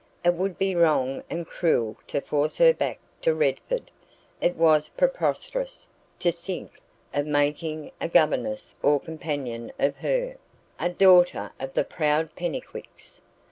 It would be wrong and cruel to force her back to Redford. It was preposterous to think of making a governess or companion of her, a daughter of the proud Pennycuicks.